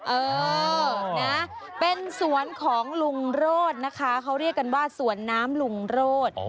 เออนะเป็นสวนของลุงโรธนะคะเขาเรียกกันว่าสวนน้ำลุงโรธ